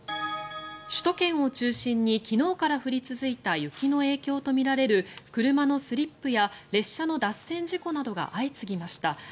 首都圏を中心に昨日から降り続いた雪の影響とみられる車のスリップや列車の脱線事故などが相次ぎました。